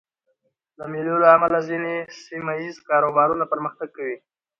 د مېلو له امله ځيني سیمه ییز کاروبارونه پرمختګ کوي.